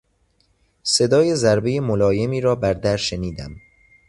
صدای ضربهی ملایمی را بر در شنیدم.